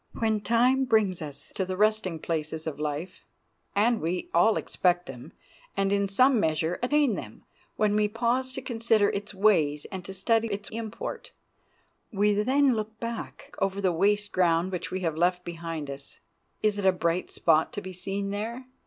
When time brings us to the resting places of life—and we all expect them, and, in some measure, attain them—when we pause to consider its ways and to study its import, we then look back over the waste ground which we have left behind us. Is a bright spot to be seen there?